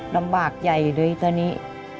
ปากใหญ่เลยตอนนี้